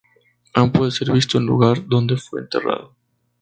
Aún puede ser visto el lugar donde fue enterrado.